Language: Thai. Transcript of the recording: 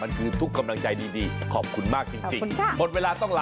มันคือทุกข์กำลังใจดีขอบคุณมากจริง